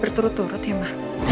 pemilik itu apa ma